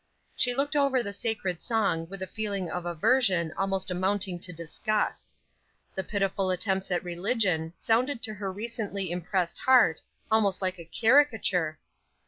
She looked over the sacred song with a feeling of aversion almost amounting to disgust. The pitiful attempts at religion sounded to her recently impressed heart almost like a caricature.